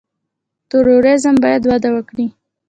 توریزم باید وده وکړي